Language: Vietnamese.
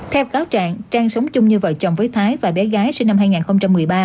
theo cáo trạng trang sống chung như vợ chồng với thái và bé gái sinh năm hai nghìn một mươi ba